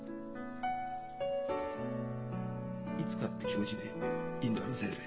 「いつか」って気持ちでいいんだろ先生？